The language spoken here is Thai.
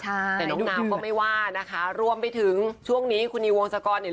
แต่น้องนาวก็ไม่ว่านะคะรวมไปถึงช่วงนี้คุณนิววงศกรเนี่ย